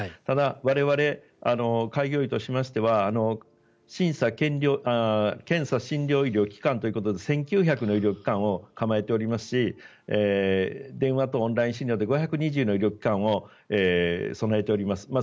ただ、我々開業医としましては検査診療医療機関ということで１９００の医療機関を構えておりますし電話とオンライン診療で５２０の医療機関を備えております。